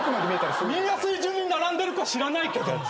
見えやすい順に並んでるか知らないけど。